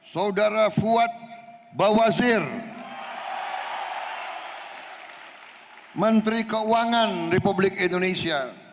saudara fuad bawasir menteri keuangan republik indonesia